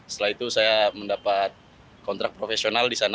setelah itu saya mendapat kontrak profesional di sana